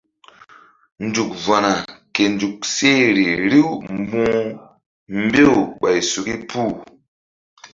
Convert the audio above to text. Nzuk va̧ na ke nzuk seh ri riw mbu̧h mbew ɓay suki puh.